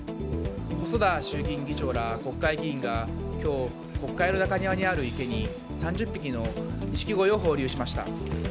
細田衆議院議長ら国会議員が今日、国会の中庭にある池に３０匹のニシキゴイを放流しました。